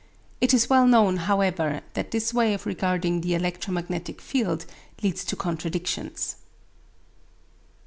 It is well known, however, that this way of regarding the electromagnetic field leads to contradictions.